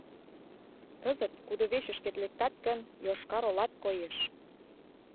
Кызыт кудывечышкет лектат гын, Йошкар-Олат коеш.